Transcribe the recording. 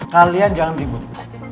kalian jangan ribut